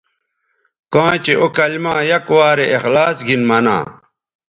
کاں چہء او کلما یک وارے اخلاص گھن منا